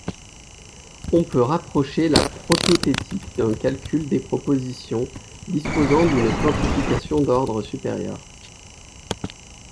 On peut rapprocher la protothétique d’un calcul des propositions disposant d’une quantification d’ordre supérieur.